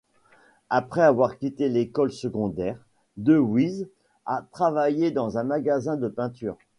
Après avoir quitté l'école secondaire, DeWyze a travaillé dans un magasin de peinture.